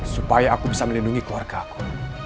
supaya aku bisa melindungi keluarga aku